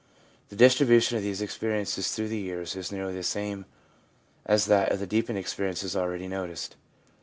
The distribution of these experiences through the years is nearly the same as that of the deepened experiences already noticed.